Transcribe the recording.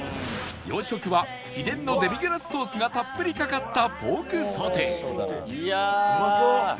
洋食は秘伝のデミグラスソースがたっぷりかかったポークソテーいやあ！うまそう！